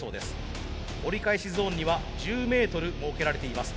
折り返しゾーンには１０メートル設けられています。